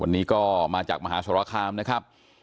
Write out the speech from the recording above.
วันนี้ก็มาจากมหาสรคามนะครับ